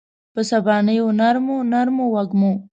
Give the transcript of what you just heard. په سبانیو نرمو، نرمو وږمو